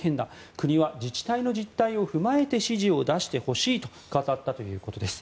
国は自治体の実態を踏まえて指示を出してほしいと語ったということです。